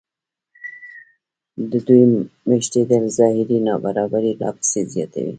د دوی مېشتېدل ظاهري نابرابري لا پسې زیاتوي